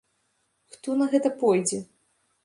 Хто на гэта пойдзе?